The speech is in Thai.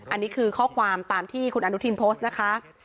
อันนี้คือข้อความตามที่คุณอนุทินโพสต์นะคะ